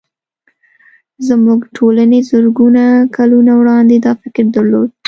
زموږ ټولنې زرګونه کلونه وړاندې دا فکر درلود